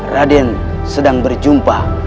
raden sedang berjumpa